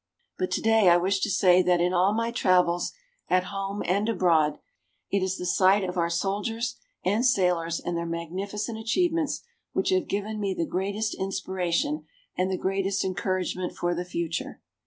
But today I wish to say that in all my travels, at home and abroad, it is the sight of our soldiers and sailors and their magnificent achievements which have given me the greatest inspiration and the greatest encouragement for the future.